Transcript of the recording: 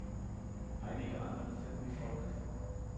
Einige andere Filme folgten.